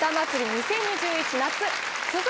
２０２１夏！！